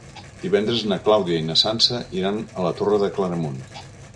Divendres na Clàudia i na Sança iran a la Torre de Claramunt.